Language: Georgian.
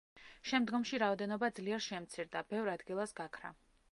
შემდგომში რაოდენობა ძლიერ შემცირდა, ბევრ ადგილას გაქრა.